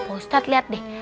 pak ustadz lihat deh